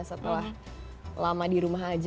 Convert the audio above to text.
setelah lama di rumah aja